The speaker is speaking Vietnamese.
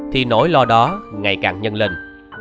thì nỗi lo đó ngày càng nhân lên